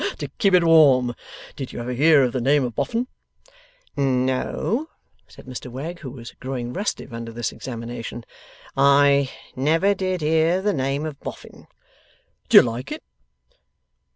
to keep it warm! Did you ever hear of the name of Boffin?' 'No,' said Mr Wegg, who was growing restive under this examination. 'I never did hear of the name of Boffin.' 'Do you like it?